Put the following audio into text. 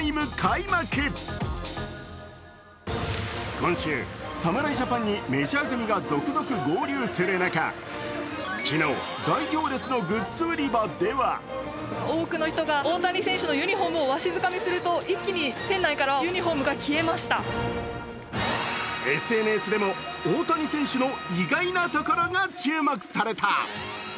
今週、侍ジャパンにメジャー組が続々合流する中、昨日、大行列のグッズ売り場ではＳＮＳでも大谷選手の意外なところが注目された。